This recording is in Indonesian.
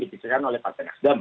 dipisahkan oleh partai nasdem